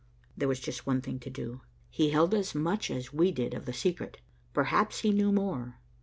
There was just one thing to do. He held as much as we did of the secret. Perhaps he knew more.